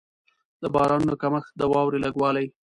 د بارانونو کمښت، د واورې لږ والی.